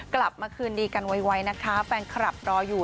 กลับมาคืนดีกันไวนะคะแฟนคลับรออยู่